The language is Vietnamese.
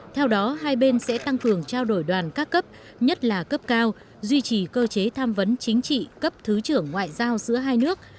theo đó hai bên sẽ tăng cường trao đổi đoàn các cấp nhất là cấp cao duy trì cơ chế tham vấn chính trị cấp thứ trưởng ngoại giao giữa hai nước